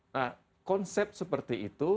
nah konsep seperti itu